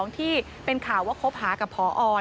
ที่เป็นข่าวว่าคบหากับพอ